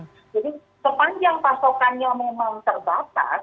jadi sepanjang pasokannya memang terbakar